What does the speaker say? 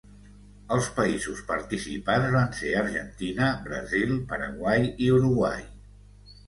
Els països participants van ser Argentina, Brasil, Paraguai i Uruguai.